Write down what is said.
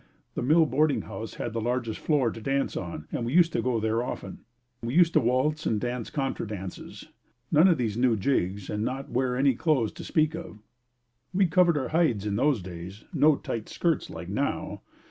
The mill boarding house had the largest floor to dance on and we used to go there often. We used to waltz and dance contra dances. None of these new jigs and not wear any clothes to speak of. We covered our hides in those days; no tight skirts like now.